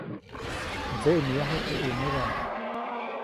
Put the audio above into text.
Mdseʼmyaju teʼ ʼunedaʼm.